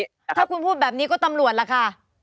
ถ้าคุณพูดแบบนี้ก็ตำรวจล่ะค่ะ